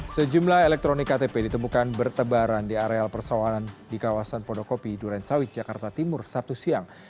sejumlah elektronik ktp ditemukan bertebaran di areal persawanan di kawasan pondokopi durensawit jakarta timur sabtu siang